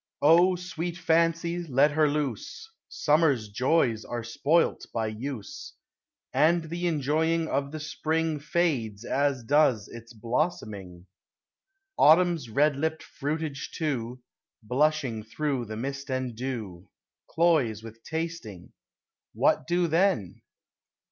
O sweet Fancy ! let her loose ; Summer's joys are spoilt by use, And the enjoying of the Spring Fades as does its blossoming : Autumn's red lipped fruitage too, Blushing through the mist and dew, Cloys with tasting. What do then